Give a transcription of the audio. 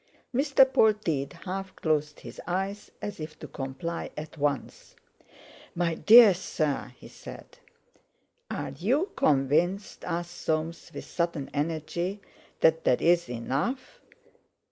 Mr. Polteed half closed his eyes, as if to comply at once. "My dear sir," he said. "Are you convinced," asked Soames with sudden energy, "that there is enough?"